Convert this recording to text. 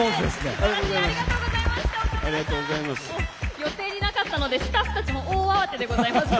予定になかったのでスタッフたちも大慌てでございました。